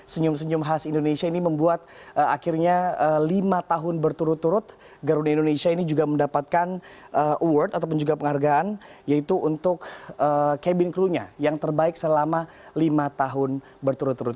senyum senyum khas indonesia ini membuat akhirnya lima tahun berturut turut garuda indonesia ini juga mendapatkan award ataupun juga penghargaan yaitu untuk cabin crew nya yang terbaik selama lima tahun berturut turut